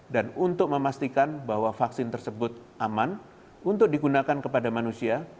dan untuk memastikan bahwa vaksin tersebut aman untuk digunakan kepada manusia